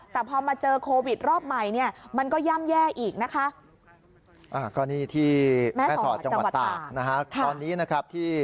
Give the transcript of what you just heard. แต่พอมาเจอโควิดรอบใหม่เนี่ยมันก็ย่ำแย่อีกนะคะ